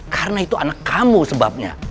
karena itu anak kamu sebabnya